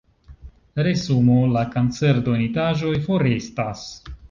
Resumo: la kancer-donitaĵoj forestas.